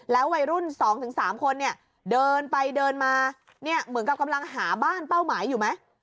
วัยรุ่น๒๓คนเนี่ยเดินไปเดินมาเนี่ยเหมือนกับกำลังหาบ้านเป้าหมายอยู่ไหม